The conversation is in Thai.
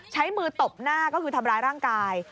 ใช้มือตบหน้าก็คือทำร้ายร่างกาย